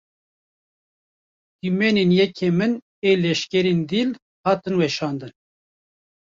Dîmenên yekemîn ên leşkerên dîl, hatin weşandin